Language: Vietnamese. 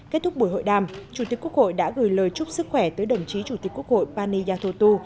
kết thúc buổi hội đàm chủ tịch quốc hội đã gửi lời chúc sức khỏe tới đồng chí chủ tịch quốc hội pani yathotu